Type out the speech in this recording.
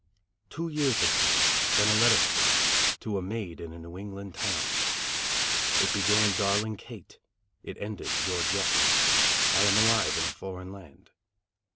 Two years had passed, then a letter came To a maid in a New England town. It began Darling Kate, it ended Your Jack, I am alive in a foreign land.